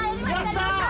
やった！